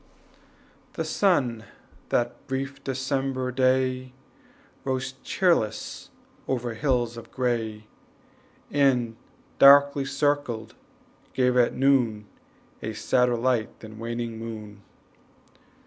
The sun that brief December day Rose cheerless over hills of gray, And, darkly circled, gave at noon A sadder light than waning moon.